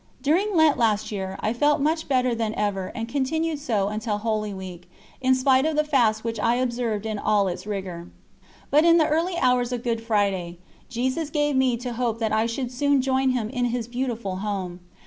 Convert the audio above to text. During Lent last year I felt much better than ever and continued so until Holy Week, in spite of the fast which I observed in all its rigour. But in the early hours of Good Friday, Jesus gave me to hope that I should soon join Him in His beautiful Home.